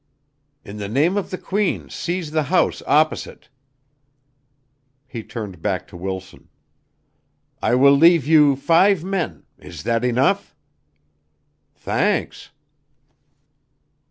"In the name of the Queen seize the house opposite." He turned back to Wilson. "I will leave you five men; is that enough?" "Thanks."